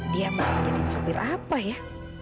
dia mau jadi sopir apa ya